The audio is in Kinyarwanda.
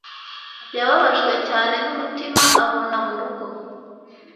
Yababajwe cyane numutima abona mu rugo